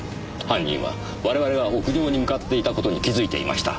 犯人は我々が屋上に向かっていた事に気づいていました。